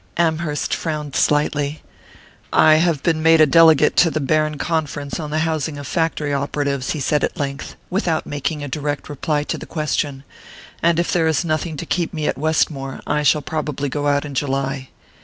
Amherst frowned slightly. "I have been made a delegate to the Berne conference on the housing of factory operatives," he said at length, without making a direct reply to the question; "and if there is nothing to keep me at Westmore, I shall probably go out in July."